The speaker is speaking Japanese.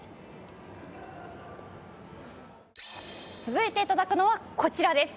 続いて頂くのはこちらです。